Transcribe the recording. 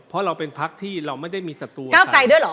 พูดอย่างนั้นไม่ได้นะครับ